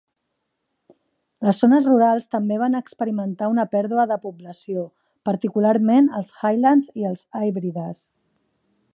Les zones rurals també van experimentar una pèrdua de població, particularment els Highlands i els Hebrides.